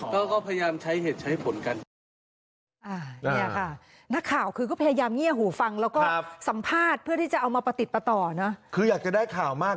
ก็ก็พยายามใช้เหตุฉันผมกันนักข่าวคือก็พยายามเงี้ยหูฟังแล้วก็สัมภาษณ์เพื่อที่จะเอามาประติศอตร์นั้นคืออยากจะได้ข่าวมาก